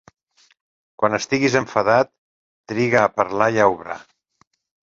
Quan estiguis enfadat triga a parlar i a obrar.